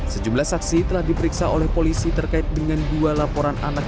sejumlah saksi telah diperiksa oleh polisi terkait dengan dua laporan anak